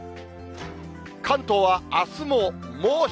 関東はあすも猛暑。